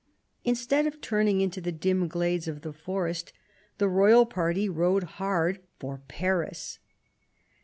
Instead of turning into the dim glades of the forest, the royal party rode hard for Paris.